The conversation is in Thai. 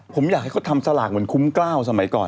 ผมอยากให้เขาทำสลากเหมือนคุ้มกล้าวสมัยก่อน